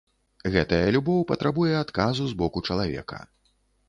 Гэтая любоў патрабуе адказу з боку чалавека.